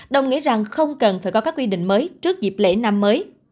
đồng nghĩa rằng không cần phải có các quy định mới trước dịp lễ năm mới